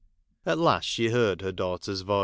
At last she heard her daughter's voice.